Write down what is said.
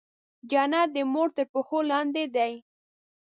جنت د مور تر پښو لاندې دی.